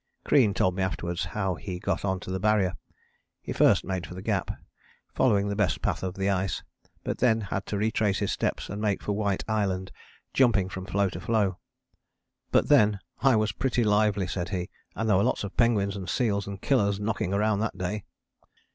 Crean told me afterwards how he got on to the Barrier. He first made for the Gap, following the best path of the ice, but then had to retrace his steps and make for White Island jumping from floe to floe. But then "I was pretty lively," said he: and "there were lots of penguins and seals and killers knocking round that day."